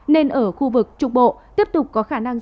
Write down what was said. nên ở khu vực trung bộ tiếp tục có khả năng